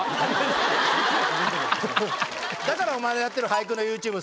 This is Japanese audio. だからお前のやってる俳句のＹｏｕＴｕｂｅ。